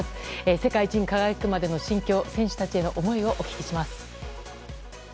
世界一に輝くまでの心境選手たちへの思いをお聞きします。